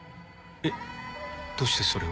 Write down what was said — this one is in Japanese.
えっどうしてそれを？